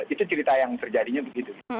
itu cerita yang terjadinya begitu